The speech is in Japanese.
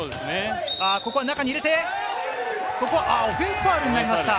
ここは中に入れて、オフェンスファウルになりました。